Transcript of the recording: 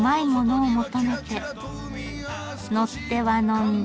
乗っては呑んで。